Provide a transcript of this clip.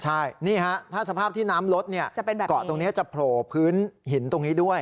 ใช่นี่ฮะถ้าสภาพที่น้ำรถเนี่ยจะเป็นแบบนี้เกาะตรงนี้จะโผล่พื้นหินตรงนี้ด้วย